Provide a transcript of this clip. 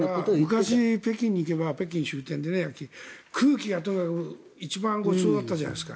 昔、北京に行けば空気がとにかく一番ごちそうだったじゃないですか。